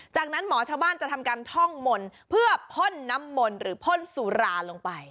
จากนั้นหมอชาวบ้านจะทำการท่องมนต์เพื่อพ่นน้ำมนต์หรือพ่นสุราลงไป